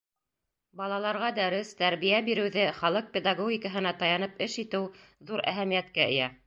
Балаларға дәрес, тәрбиә биреүҙе халыҡ педагогикаһына таянып эш итеү ҙур әһәмиәткә эйә.